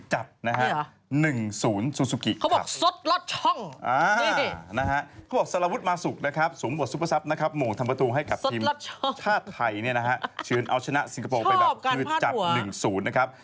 โหมงทำประตูให้กับทีมชาติไทยเนี่ยนะฮะชืนเอาชนะสิงคโปร์ไปแบบคือจับหนึ่งศูนย์นะครับ